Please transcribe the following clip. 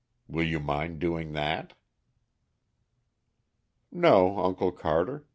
Will you mind doing that?" "No, Uncle Carter.